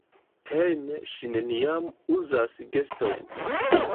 Hejme ŝi neniam uzas gestojn.